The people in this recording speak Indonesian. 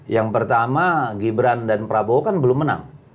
yang pertama gibran dan prabowo kan belum menang